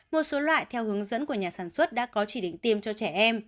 một số loại theo hướng dẫn của nhà sản xuất đã có chỉ định tiêm cho trẻ em